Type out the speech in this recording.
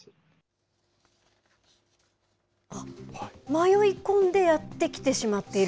迷い込んでやって来てしまっている。